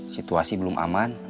situasi belum aman